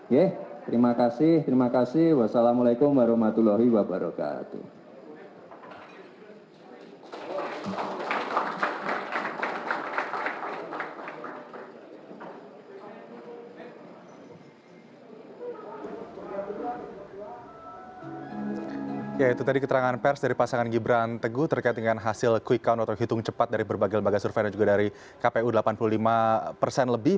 ye terima kasih terima kasih